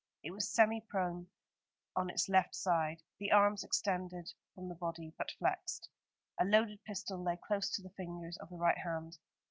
It was semi prone on its left side, the arms extended from the body, but flexed. A loaded pistol lay close to the fingers of the right hand.